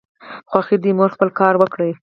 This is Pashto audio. خو اخر دي مور خپل کار وکړ !